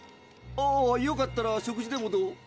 ああよかったら食事でもどう？